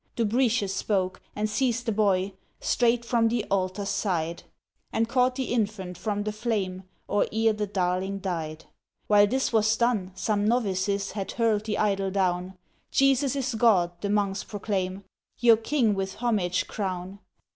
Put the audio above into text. Dubritius spoke, and seized the boy Straight from the altar's side; And caught the infant from the flame, Or ere the darling died! While this was done, some novices Had hurl'd the idol down; "Jesus is God!" the Monks proclaim, "Your King with homage crown!